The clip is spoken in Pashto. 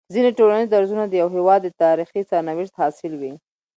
ځيني ټولنيز درځونه د يوه هيواد د تاريخي سرنوشت حاصل وي